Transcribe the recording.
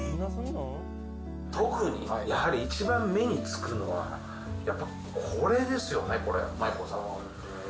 特にやはり一番目に付くのは、やっぱこれですよね、これ、マイコーさん。